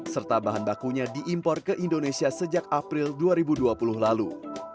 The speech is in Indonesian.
serta bahan bakunya diimpor ke indonesia sejak april dua ribu dua puluh lalu